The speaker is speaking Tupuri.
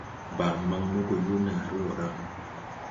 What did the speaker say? Baa maŋ mo gɔ yoo naare wɔ ra.